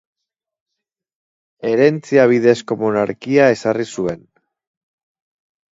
Herentzia bidezko monarkia ezarri zuen.